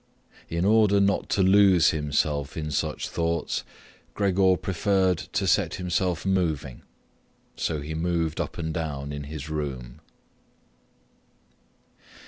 In order not to lose himself in such thoughts, Gregor preferred to set himself moving, so he moved up and down in his room.